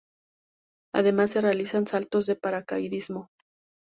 Además se realizan saltos de paracaidismo.